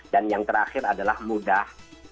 dan yang terakhir adalah mudah